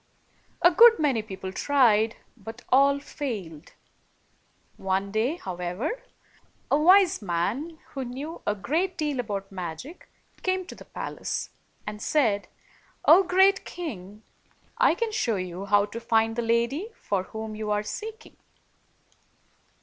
A good many people tried, but all failed. One day, however, a very wise man, who knew a great deal about magic, came to the palace, and said, "O great king! I can show you how to find the lady for whom you are seeking."